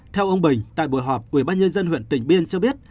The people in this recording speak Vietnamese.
theo ông bình tại buổi họp ubnd huyện tỉnh biên cho biết